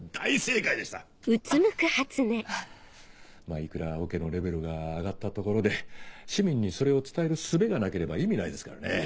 いくらオケのレベルが上がったところで市民にそれを伝えるすべがなければ意味ないですからね。